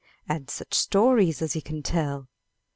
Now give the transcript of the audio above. And such stories as he can tell !